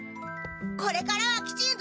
これからはきちんとする！